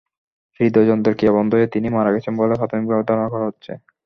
হৃদ্যন্ত্রের ক্রিয়া বন্ধ হয়ে তিনি মারা গেছেন বলে প্রাথমিকভাবে ধারণা করা হচ্ছে।